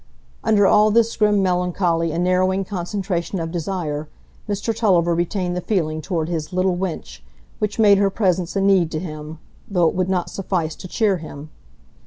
Under all this grim melancholy and narrowing concentration of desire, Mr Tulliver retained the feeling toward his "little wench" which made her presence a need to him, though it would not suffice to cheer him.